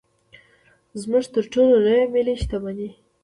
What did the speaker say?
زموږ تر ټولو لویه ملي شتمني.